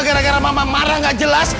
gara gara mama marah nggak jelas